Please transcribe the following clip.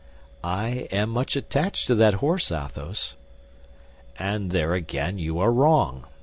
"I am much attached to that horse, Athos." "And there again you are wrong.